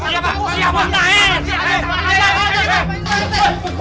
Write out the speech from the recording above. itu dia tuh babi ngepetnya tuh